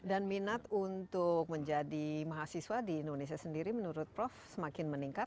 dan minat untuk menjadi mahasiswa di indonesia sendiri menurut prof semakin meningkat